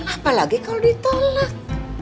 apalagi kalau ditolak